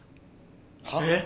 はっ？